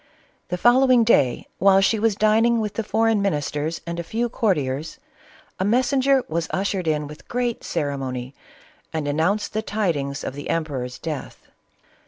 The following day while she was dining with the foreign ministers and a few courtiers, a messenger was ushered in with great ceremony and announced the tidings of the emperor's death.